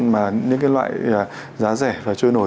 mà những cái loại giá rẻ và trôi nổi